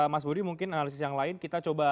mas budi mungkin analisis yang lain kita coba